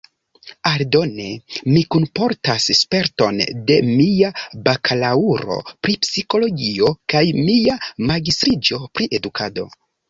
Aldone, mi kunportas sperton de mia bakalaŭro pri psikologio kaj mia magistriĝo pri edukado.